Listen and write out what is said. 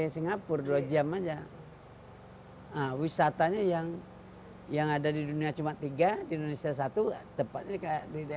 singapura jam aja hai wisatanya yang yang ada di dunia cuma tiga di indonesia satu terasserika dede